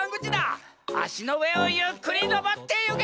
あしのうえをゆっくりのぼってゆけ！